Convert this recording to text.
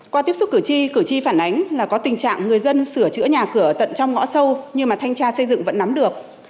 qua tiếp xúc cử tri cử tri phản ánh là có tình trạng người dân sửa chữa nhà cửa tận trong ngõ sâu nhưng mà thanh tra xây dựng vẫn nắm được